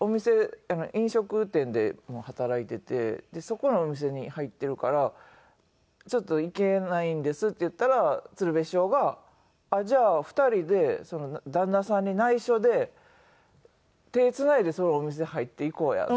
飲食店でも働いていてそこのお店に入っているからちょっと行けないんですって言ったら鶴瓶師匠が「じゃあ２人で旦那さんに内緒で手つないでそのお店入っていこうや」って。